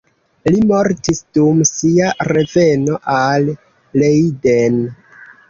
Li mortis dum sia reveno al Leiden.